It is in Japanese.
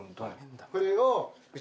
これを。